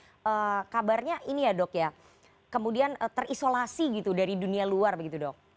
tapi kabarnya ini ya dok ya kemudian terisolasi gitu dari dunia luar begitu dok